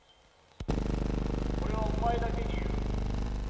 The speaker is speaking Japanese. これはお前だけに言う。